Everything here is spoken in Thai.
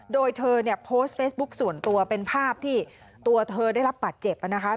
โดยเธอเนี่ยโพสต์เฟซบุ๊คส่วนตัวเป็นภาพที่ตัวเธอได้รับบัตรเจ็บนะคะ